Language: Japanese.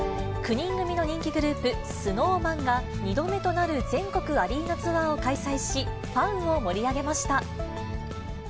９人組の人気グループ、ＳｎｏｗＭａｎが、２度目となる全国アリーナツアーを開催し、ファンを盛り上げました。